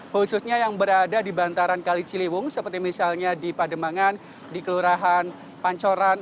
khususnya yang berada di bantaran kali ciliwung seperti misalnya di pademangan di kelurahan pancoran